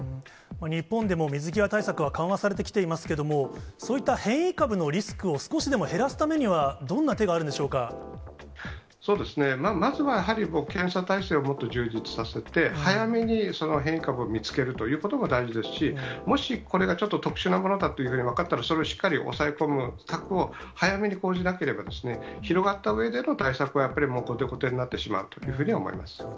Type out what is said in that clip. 日本でも水際対策は緩和されてきていますけれども、そういった変異株のリスクを少しでも減らすためにはどんな手があそうですね、まずはやはり、検査体制をもっと充実させて、早めに変異株を見つけるということが大事ですし、もし、これがちょっと特殊なものだというふうに分かったら、それをしっかり抑え込む策を早めにこうじなければ、広がったうえでの対策は、もう後手後手になってしまうというふうに思います。